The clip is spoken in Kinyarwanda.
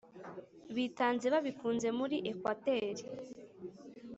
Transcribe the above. Bitanze babikunze muri Ekwateri